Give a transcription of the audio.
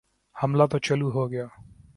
حملہ تو چلو ہو گیا۔